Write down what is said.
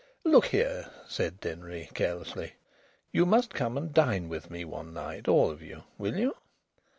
"Look here," said Denry, carelessly, "you must come and dine with me one night, all of you will you?"